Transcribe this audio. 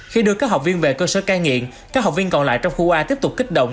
khi đưa các học viên về cơ sở cai nghiện các học viên còn lại trong khu a tiếp tục kích động